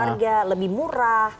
dengan keluarga lebih murah